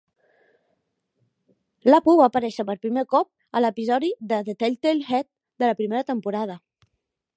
L'Apu va aparèixer per primer cop a l'episodi "The Telltale Head" de la primera temporada.